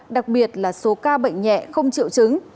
đặc biệt là số ca bệnh nhẹ không triệu chứng